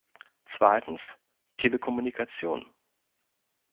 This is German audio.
Zweitens, Telekommunikation.